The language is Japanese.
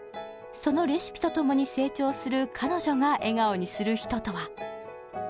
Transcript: そのレシピと共に成長する彼女が笑顔にする人とは？